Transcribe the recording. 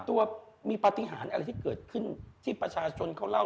อะไรที่เกิดขึ้นที่ประชาชนเขาเล่า